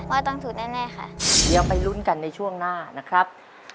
ว่าต้องถูกแน่แน่ค่ะเดี๋ยวไปลุ้นกันในช่วงหน้านะครับ